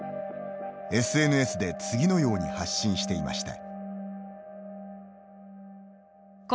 ＳＮＳで次のように発信していました。